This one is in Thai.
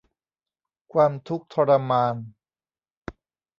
ความทุกข์ทรมาน